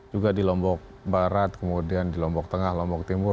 juga di lombok barat kemudian di lombok tengah lombok timur